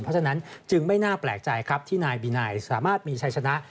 เพราะฉะนั้นจึงไม่น่าแปลกใจครับที่นายบินัยสามารถมีชัยชนะ